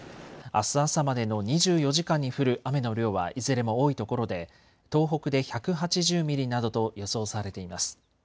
あす朝までの２４時間に降る雨の量はいずれも多いところで東北で１８０ミリなどと予想されています。